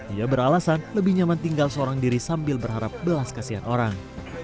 ia beralasan lebih nyaman tinggal seorang diri sambil berharap belas kasihan orang